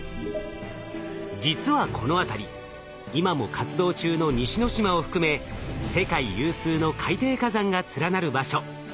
実はこの辺り今も活動中の西之島を含め世界有数の海底火山が連なる場所。